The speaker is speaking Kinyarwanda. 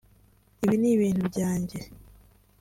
ibi ni ibintu byanjye